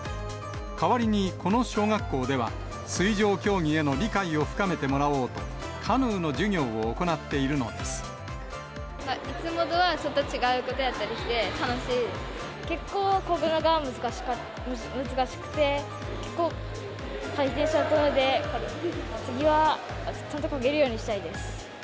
代わりに、この小学校では水上競技への理解を深めてもらおうと、カヌーの授いつもとはちょっと違うこと結構こぐのが難しくて、結構改善されたので、次はちゃんとこげるようにしたいです。